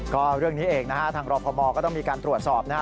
ก็เรื่องนี้เองนะฮะทางรพมก็ต้องมีการตรวจสอบนะฮะ